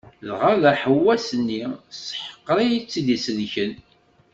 Dɣa d aḥewwas- nni tesseḥqer i tt-id-isellken.